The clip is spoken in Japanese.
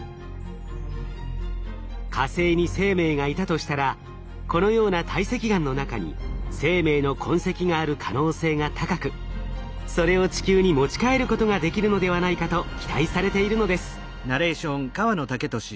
火星に生命がいたとしたらこのような堆積岩の中に生命の痕跡がある可能性が高くそれを地球に持ち帰ることができるのではないかと期待されているのです。